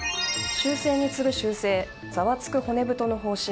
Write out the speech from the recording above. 修正に次ぐ修正ザワつく骨太の方針。